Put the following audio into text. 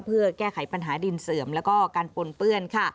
เพื่อแก้ไขปัญหาดินเสื่อมแล้วก็การปนเปื้อน